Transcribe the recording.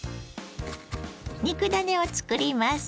肉ダネを作ります。